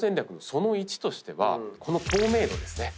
その１としてはこの透明度です。